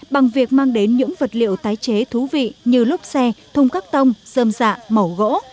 bằng việc mang đến những vật liệu tái chế thú vị như lúc xe thùng các tông dâm dạ màu gỗ